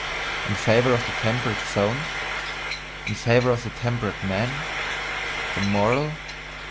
In favour of the "temperate zones"? In favour of the temperate men? The "moral"?